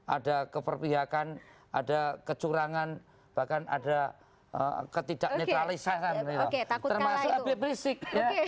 ada keperpihakan ada kecurangan bahkan ada ketidaknetralisasi termasuk abik abik